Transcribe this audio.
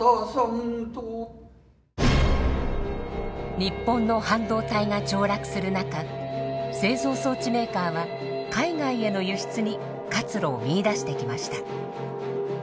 日本の半導体が凋落する中製造装置メーカーは海外への輸出に活路を見いだしてきました。